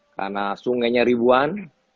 karena sungainya ribuan